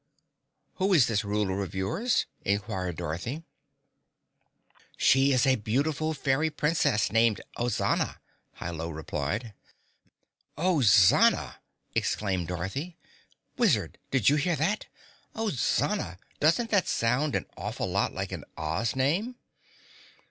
"Who is this ruler of yours?" inquired Dorothy. "She is a beautiful Fairy Princess, named Ozana," Hi Lo replied. "Ozana!" exclaimed Dorothy. "Wizard, did you hear that? Ozana doesn't that sound an awful lot like an Oz name?"